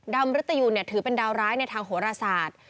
ดาวมริตยูถือเป็นดาวร้ายในทางโหระสาธ